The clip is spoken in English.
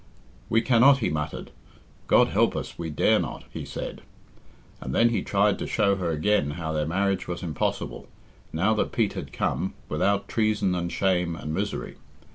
"We cannot," he muttered. "God help us, we dare not," he said; and then he tried to show her again how their marriage was impossible, now that Pete had come, without treason and shame and misery.